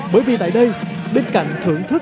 bởi vì tại đây bên cạnh thưởng thức